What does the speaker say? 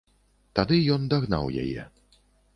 Тады ён дагнаў яе.